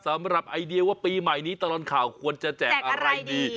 สำหรับไอเดียว่าปีใหม่นี้ตลอดข่าวควรจะแจกอะไรดี